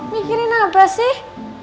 mikirin apa sih